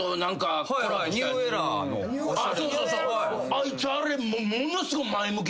あいつあれ。